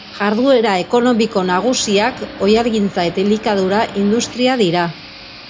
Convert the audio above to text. Jarduera ekonomiko nagusiak oihalgintza eta elikadura industria dira.